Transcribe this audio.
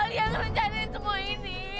lia yang rencanain semua ini